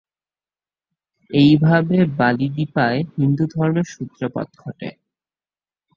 এইভাবেই বালিদ্বীপীয় হিন্দুধর্মের সূত্রপাত ঘটে।